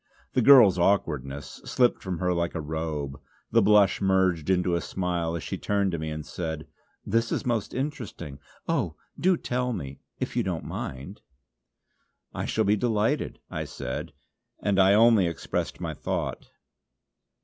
The girl's awkwardness slipped from her like a robe; the blush merged into a smile as she turned to me and said: "This is most interesting. O! do tell me if you don't mind." "I shall be delighted" I said, and I only expressed my thought.